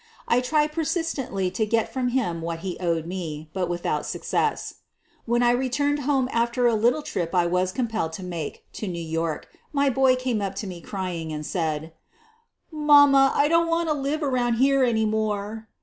I tried persistently to get •from him what he owed me, but without success. When I returned home after a little trip I was compelled to make to New York, my boy came up to me, crying, and said; 26 SOPHIE LYONS " Mamma, I don't want to live around here any more.